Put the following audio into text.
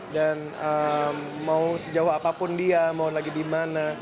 dan mau sejauh apapun dia mau lagi di mana